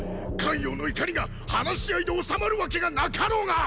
咸陽の怒りが話し合いで収まるわけがなかろうが！